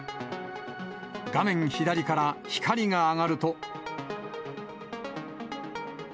画面左から光が上がると。